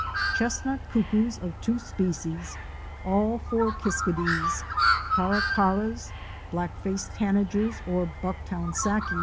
™ Chestnut Cuckoos of two species," all four Kis kadees,'°» 4 °° Caracaras,* Black faced Tanagers or "Bucktown Sackies